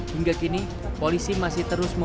hingga kini polisi masih terus memperbaiki